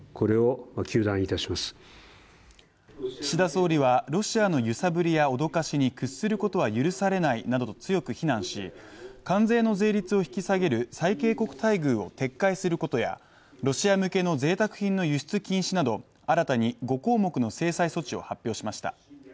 岸田総理は、ロシアの揺さぶりや脅かしに屈することは許されないなどと強く非難し関税の税率を引き下げる最恵国待遇を撤回することやロシア向けのぜいたく品の輸出禁止など新たに５項目の制裁措置を発表しました。